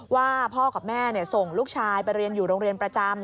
ว่าพ่อกับแม่ส่งลูกชายไปเรียนอยู่โรงเรียนประจำ